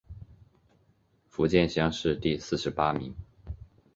福建乡试第四十八名。